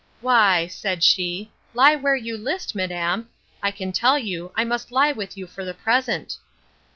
—Why, said she, lie where you list, madam; I can tell you, I must lie with you for the present.